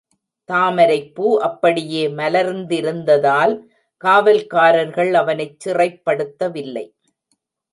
தாமரைப்பூ அப்படியே மலர்ந்திருந்ததால் காவல்காரர்கள் அவனைச் சிறைப்படுத்தவில்லை.